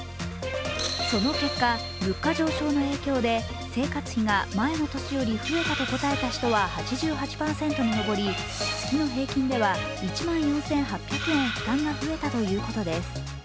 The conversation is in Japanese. その結果、物価上昇の影響で生活費が前の年より増えたと答えた人は８８％に上り、月の平均では１万４８００円負担が増えたということです。